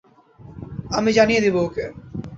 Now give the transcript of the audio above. আমি জানিয়ে দেবো ওকে।